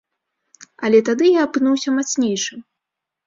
Але тады я апынуўся мацнейшым.